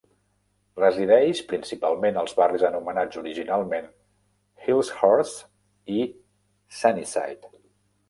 Resideix principalment als barris anomenats originalment Hillhurst i Sunnyside.